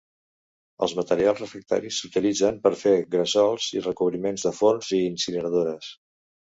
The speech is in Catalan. Els materials refractaris s'utilitzen per fer gresols i recobriments de forns i incineradores.